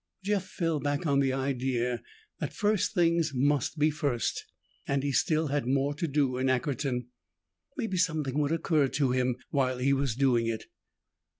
Jeff fell back on the idea that first things must be first and he still had more to do in Ackerton. Maybe something would occur to him while he was doing it.